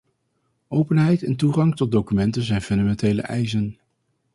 Openheid en toegang tot documenten zijn fundamentele eisen.